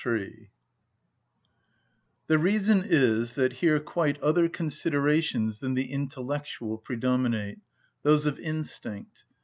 _" The reason is, that here quite other considerations than the intellectual predominate,—those of instinct.